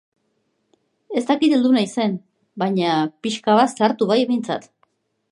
Ez dakit heldu naizen, baina pixka bat zahartu bai, behintzat.